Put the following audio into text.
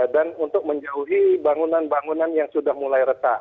dan untuk menjauhi bangunan bangunan yang sudah mulai retak